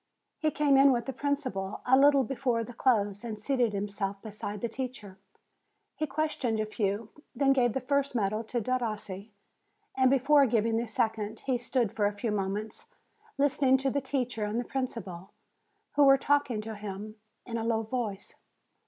He came in with the principal a little before the close and seated himself beside the teacher. He questioned a few, then gave the first medal to Derossi, and before giving the second, he stood for a few moments listening to the teacher and the principal, who were talking to him in a low voice.